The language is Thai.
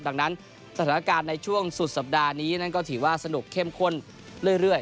ดังนั้นสถานการณ์ในช่วงสุดสัปดาห์นี้นั้นก็ถือว่าสนุกเข้มข้นเรื่อย